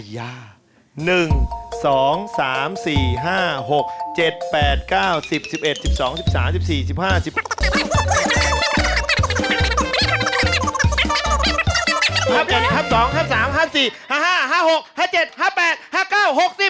อ้อยตื่นเต้นอัยย่า